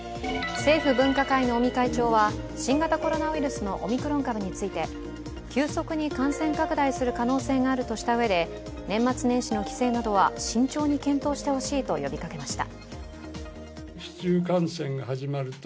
政府・分科会の尾身会長は新型コロナウイルスのオミクロン株について急速に感染拡大する可能性があるとしたうえで、年末年始の帰省などは慎重に検討してほしいと呼びかけました。